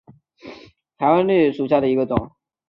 台湾瑞香为瑞香科瑞香属下的一个种。